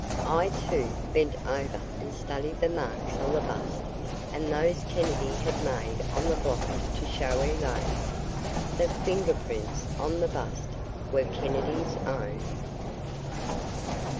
I, too, bent over and studied the marks on the bust and those Kennedy had made on the blotter to show Elaine. THE FINGER PRINTS ON THE BUST WERE KENNEDY'S OWN.